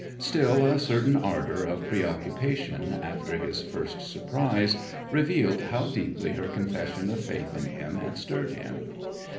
Still, a certain ardour of preoccupation, after his first surprise, revealed how deeply her confession of faith in him had stirred him.